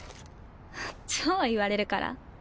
超言われるから。